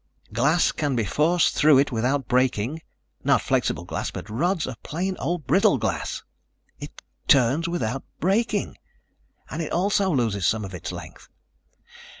Glass can be forced through it without breaking. Not flexible glass, but rods of plain old brittle glass. It turns without breaking, and it also loses some of its length.